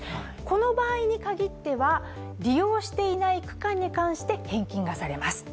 この場合に限っては利用していない区間に関して返金されます。